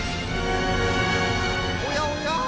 おやおや？